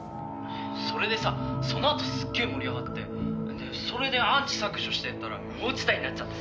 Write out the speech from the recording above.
「それでさそのあとすっげえ盛り上がってでそれでアンチ削除してったら無法地帯になっちゃってさ」